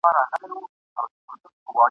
لکه چرګ په ډېران مه وایه بانګونه ..